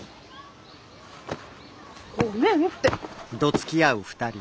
ごめんって。